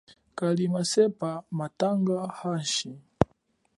Kali masepa mathangwa handji.